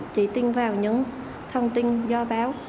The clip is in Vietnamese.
chỉ tin vào những thông tin do báo